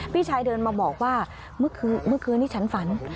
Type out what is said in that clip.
พี่ชายเดินมาบอกว่าเมื่อคืนนี้ฉันฝัน